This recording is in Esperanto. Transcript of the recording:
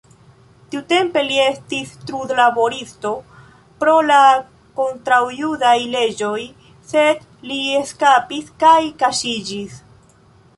Tiutempe li estis trudlaboristo pro la kontraŭjudaj leĝoj, sed li eskapis kaj kaŝiĝis.